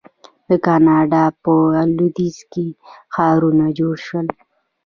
د کاناډا په لویدیځ کې ښارونه جوړ شول.